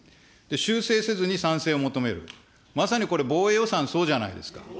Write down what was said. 修正せずに賛成を求める、まさにこれ、防衛予算、そうじゃないですか。